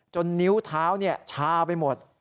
จนนิ้วเท้าเนี่ยชาไปหมด